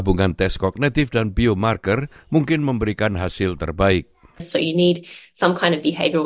mungkin tidak akan terkejut jika mungkin kombinasi biomarker dengan tes perkembangan